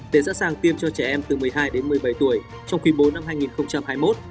để sẵn sàng tiêm cho trẻ em từ một mươi hai đến một mươi bảy tuổi trong quý bố năm hai nghìn hai mươi một